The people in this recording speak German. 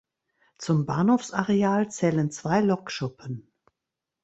Zum Bahnhofsareal zählen zwei Lokschuppen.